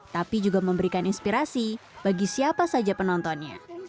tapi juga memberikan inspirasi bagi siapa saja penontonnya